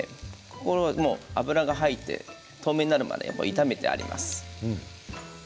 油が入って、透明になるまで炒めてあります。